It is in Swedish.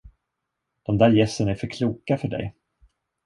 De där gässen är för kloka för dig.